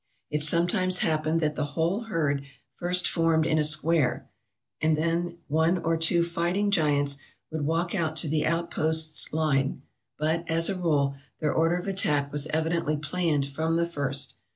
It sometimes happened that the whole herd first formed in a square, and that then one or two fighting giants would walk out to the outposts' line; but, as a rule, their order of attack was evidently planned from the first.